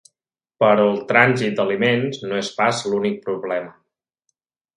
Però el trànsit d’aliments no és pas l’únic problema.